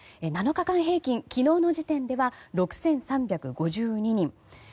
７日間平均、昨日の時点では６３５２人。